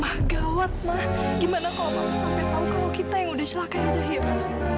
mah gawat mah gimana kalau mama sampai tahu kalau kita yang sudah celakai zahira